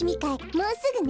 もうすぐね。